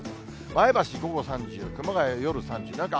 前橋、午後３０、熊谷夜３０。